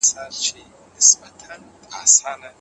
ایا ته د دي مسلي په اړه پوهیږي؟